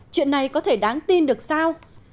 chuyện này có thể đáng tin được sao